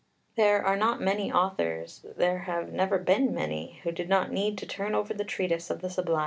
There are not many authors, there have never been many, who did not need to turn over the treatise of the Sublime by day and night.